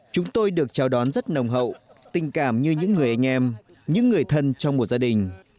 chúng tôi được chào đón rất nồng hậu tình cảm như những người anh em những người thân trong một gia đình